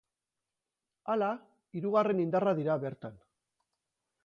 Hala, hirugarren indarra dira bertan.